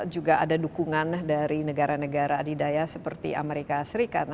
juga ada dukungan dari negara negara adidaya seperti amerika serikat